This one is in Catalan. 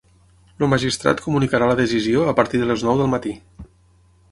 El magistrat comunicarà la decisió a partir de les nou del matí.